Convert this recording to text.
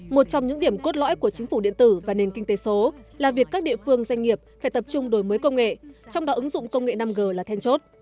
một trong những điểm cốt lõi của chính phủ điện tử và nền kinh tế số là việc các địa phương doanh nghiệp phải tập trung đổi mới công nghệ trong đó ứng dụng công nghệ năm g là then chốt